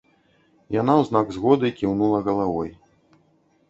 Яна ў знак згоды кіўнула галавой.